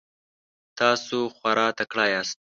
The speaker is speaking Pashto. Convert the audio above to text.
تاسو خورا تکړه یاست.